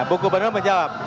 buku bener menjawab